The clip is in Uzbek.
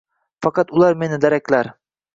Faqat ular meni daraklar.